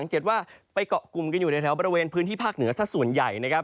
ว่าไปเกาะกลุ่มกันอยู่ในแถวบริเวณพื้นที่ภาคเหนือสักส่วนใหญ่นะครับ